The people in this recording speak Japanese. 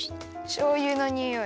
しょうゆのにおい。